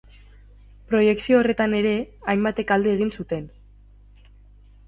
Proiekzio horretan ere, hainbatek alde egin zuten.